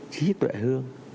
trí tuệ hương